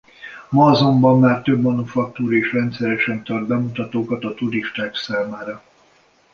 Ma azonban már több manufaktúra is rendszeresen tart bemutatókat a turisták számára.